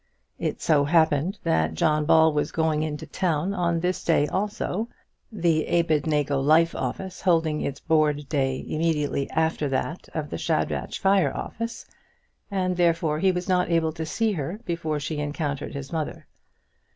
It so happened that John Ball was going into town on this day also, the Abednego Life Office holding its board day immediately after that of the Shadrach Fire Office, and therefore he was not able to see her before she encountered his mother.